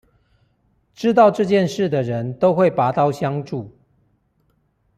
知道這件事的人都會拔刀相助